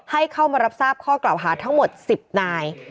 ให้เข้ามารับทราบข้อกล่าวหาทั้งหมด๑๐นาย